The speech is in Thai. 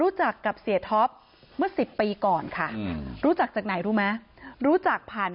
เพราะไม่มีเงินไปกินหรูอยู่สบายแบบสร้างภาพ